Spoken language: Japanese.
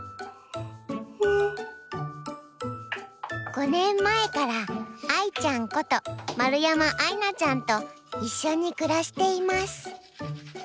５年前から愛ちゃんこと丸山愛菜ちゃんと一緒に暮らしています。